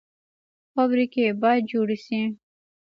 فابریکې باید جوړې شي